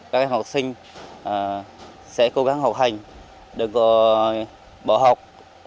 các em học sinh sẽ cố gắng học hành đừng có bỏ học